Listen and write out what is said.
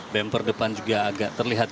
bemper depan juga agak terlihat